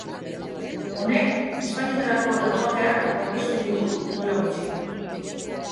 Honek, ezpainetarako tatuajeak aurkeztu ditu duela gutxi.